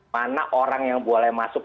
mana orang yang boleh masuk